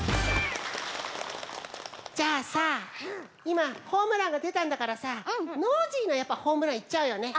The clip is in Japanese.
じゃあさいまホームランがでたんだからさノージーのやっぱホームランいっちゃうよね。